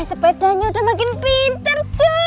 my sepedanya udah makin pinter njus